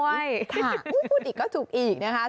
ถ้าพูดอีกก็ถูกอีกนะคะ